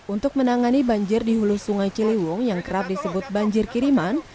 untuk menangani banjir di hulu sungai ciliwung yang kerap disebut banjir kiriman